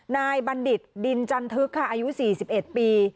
บัณฑิตดินจันทึกค่ะอายุ๔๑ปี